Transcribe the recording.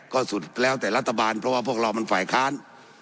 ก็สุดแล้วแต่รัฐบาลเพราะว่าพวกเรามันฝ่ายค้าน